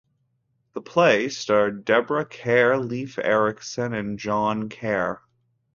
The play starred Deborah Kerr, Leif Erickson, and John Kerr.